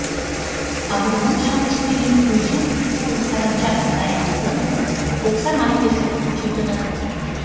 Агроном-шамыч тений тӱжем пуд чоло саранчам пытареныт гын, оксамат пеш шуко кучылтыныт.